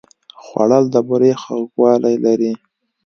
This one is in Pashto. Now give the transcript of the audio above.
خوړل د بوره خوږوالی لري